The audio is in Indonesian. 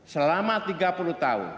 selama tiga puluh tahun